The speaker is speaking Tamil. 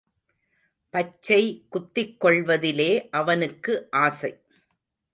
பச்சை குத்திக்கொள்வதிலே அவனுக்கு ஆசை.